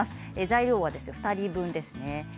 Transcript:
材料は２人分です。